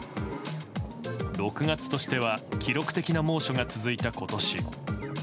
６月としては記録的な猛暑が続いた今年。